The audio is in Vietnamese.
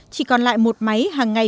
chỉ còn lại một máy hàng ngày